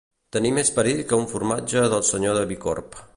Tenir més perill que un formatge del senyor de Bicorb.